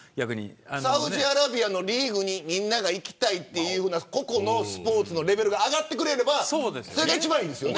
サウジアラビアのリーグにみんなが行きたいというぐらい個々のスポーツのレベルが上がってくれればそれが一番いいですよね。